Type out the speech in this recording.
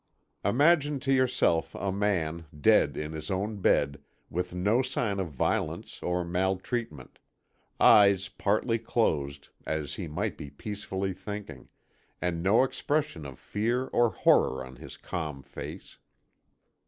Imagine to yourself a man, dead in his own bed, with no sign of violence or maltreatment. Eyes partly closed, as he might be peacefully thinking, and no expression of fear or horror on his calm face.